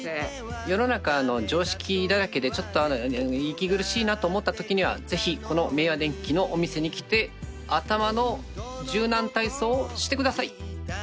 世の中常識だらけでちょっと息苦しいなと思ったときにはぜひこの明和電機のお店に来て頭の柔軟体操をしてください！